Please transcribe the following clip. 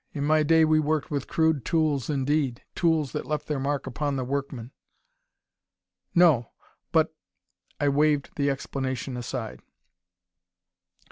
In my day we worked with crude tools indeed; tools that left their mark upon the workman. "No. But " I waved the explanation aside.